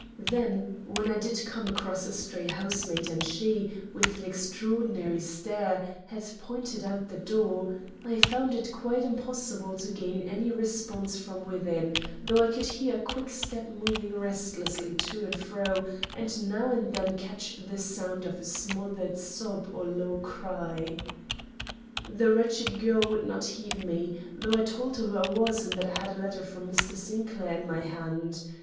Then, when I did come across a stray housemaid and she, with an extraordinary stare, had pointed out the door, I found it quite impossible to gain any response from within, though I could hear a quick step moving restlessly to and fro and now and then catch the sound of a smothered sob or low cry. The wretched girl would not heed me, though I told her who I was and that I had a letter from Mr. Sinclair in my hand.